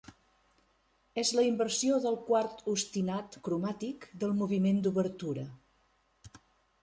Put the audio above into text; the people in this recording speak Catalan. És la inversió del quart ostinat cromàtic del moviment d'obertura.